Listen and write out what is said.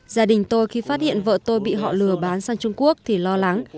gia đình tôi khi phát hiện vợ tôi bị họ lừa bán sang trung quốc thì lo lắng